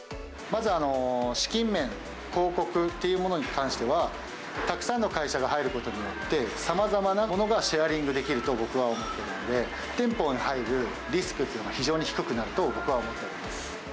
まず、資金面・広告っていうものに関しては、たくさんの会社が入ることによって、さまざまなものがシェアリングできると僕は思っているので、店舗に入るリスクっていうのが非常に低くなると、僕は思ってます。